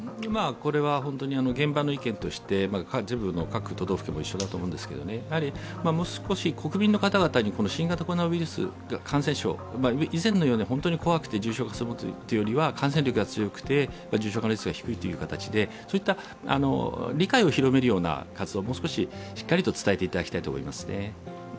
本当に現場の意見として各都道府県と一緒だと思うんですけど、もう少し国民の方々に新型コロナウイルス感染症以前のように、本当に怖くて重症化するというよりは感染力が強く重症化率が低いという形でそういった理解を広めるような活動をもう少ししっかりと伝えてほしいと思いますね。